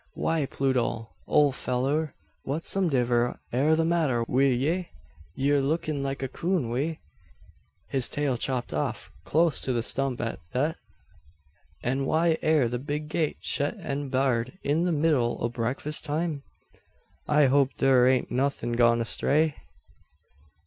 "Why, Pluto, ole fellur! whatsomdiver air the matter wi' ye? Yur lookin' like a 'coon wi' his tail chopped off clost to the stump at thet! An' why air the big gate shet an barred in the middle o' breakfist time? I hope thur hain't nuthin' gone astray?"